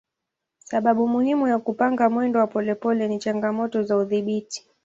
Sababu muhimu ya kupanga mwendo wa polepole ni changamoto za udhibiti.